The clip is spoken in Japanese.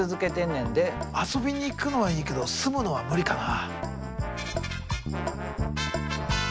遊びに行くのはいいけど住むのは無理かな。